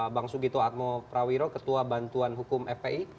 bang sugito atmo prawiro ketua bantuan hukum fpi